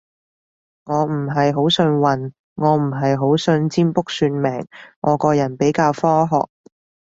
我唔係好信運，我唔係好信占卜算命，我個人比較科學